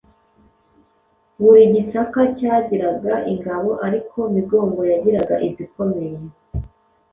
Buri Gisaka cyagiraga ingabo ,ariko Migongo yagiraga izikomeye